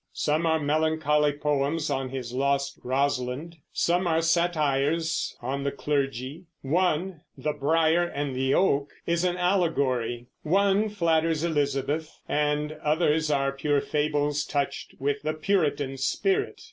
Some are melancholy poems on his lost Rosalind; some are satires on the clergy; one, "The Briar and the Oak," is an allegory; one flatters Elizabeth, and others are pure fables touched with the Puritan spirit.